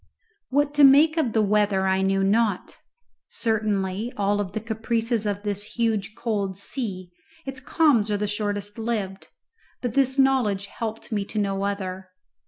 What to make of the weather I knew not. Certainly, of all the caprices of this huge cold sea, its calms are the shortest lived, but this knowledge helped me to no other.